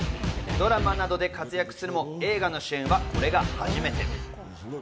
ドラマなどで活躍するも、映画の主演はこれが初めて。